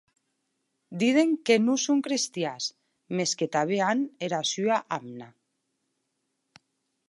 Diden que non son crestians, mès que tanben an era sua amna.